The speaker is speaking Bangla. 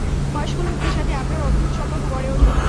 বয়স্ক লোকদের সাথে আপনার অদ্ভুত সম্পর্ক গড়ে ওঠে।